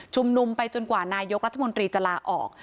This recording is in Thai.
นุมไปจนกว่านายกรัฐมนตรีจะลาออก